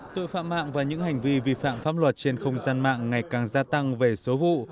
tội phạm mạng và những hành vi vi phạm pháp luật trên không gian mạng ngày càng gia tăng về số vụ